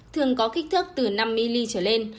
thường có kích thước từ năm mm trở lên